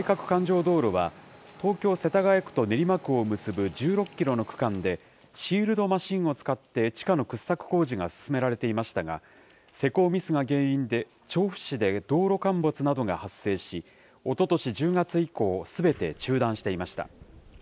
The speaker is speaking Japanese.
環状道路は、東京・世田谷区と練馬区を結ぶ１６キロの区間で、シールドマシンを使って地下の掘削工事が進められていましたが、施工ミスが原因で、調布で道路陥没などが発生し、おととし１０月以降、すべて中断していました。